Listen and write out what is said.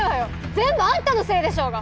全部アンタのせいでしょうが！